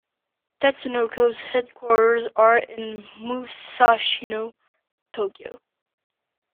Tatsunoko's headquarters are in Musashino, Tokyo.